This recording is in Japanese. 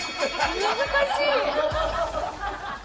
難しい！